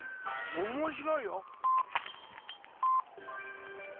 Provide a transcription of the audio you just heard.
面白いよ！